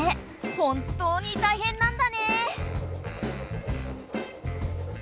本当に大変なんだね！